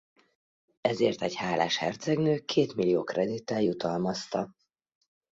Ezért egy hálás hercegnő két millió kredittel jutalmazta.